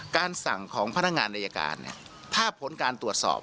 การสั่งของพนักงานอายการถ้าผลการตรวจสอบ